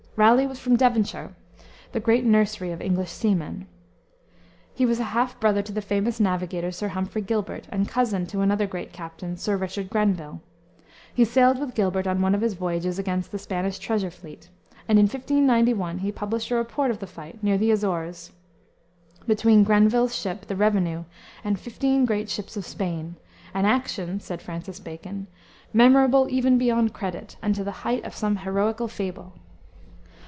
Raleigh was from Devonshire, the great nursery of English seamen. He was half brother to the famous navigator, Sir Humphrey Gilbert, and cousin to another great captain, Sir Richard Grenville. He sailed with Gilbert on one of his voyages against the Spanish treasure fleet, and in 1591 he published a report of the fight, near the Azores, between Grenville's ship, the Revenue, and fifteen great ships of Spain, an action, said Francis Bacon, "memorable even beyond credit, and to the height of some heroical fable."